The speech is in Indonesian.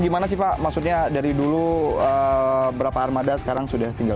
gimana sih pak maksudnya dari dulu berapa armada sekarang sudah tinggal